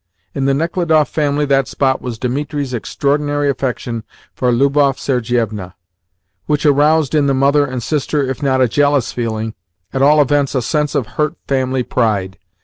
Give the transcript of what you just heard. In the Nechludoff family that spot was Dimitri's extraordinary affection for Lubov Sergievna, which aroused in the mother and sister, if not a jealous feeling, at all events a sense of hurt family pride.